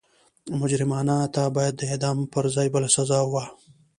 مجرمانو ته به د اعدام پر ځای بله سزا وه.